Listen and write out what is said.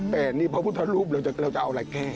แต่นี่พระพุทธรูปเราจะเอาอะไรแก้